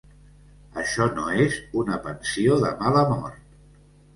Això no és una pensió de mala mort.